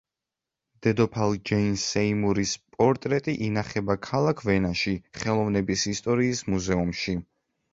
დედოფალ ჯეინ სეიმურის პორტრეტი ინახება ქალაქ ვენაში, ხელოვნების ისტორიის მუზეუმში.